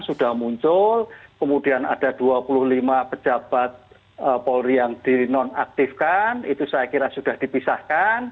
sudah muncul kemudian ada dua puluh lima pejabat polri yang dinonaktifkan itu saya kira sudah dipisahkan